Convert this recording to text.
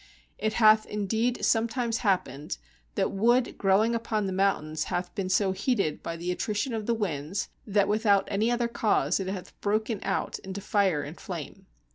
It hath indeed sometimes happened, that wood growing upon mountains hath been so heated by the attrition of the winds, that without any other cause it hath broken out into fire and flame.